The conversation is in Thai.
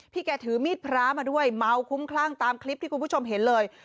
แกถือมีดพระมาด้วยเมาคุ้มคลั่งตามคลิปที่คุณผู้ชมเห็นเลย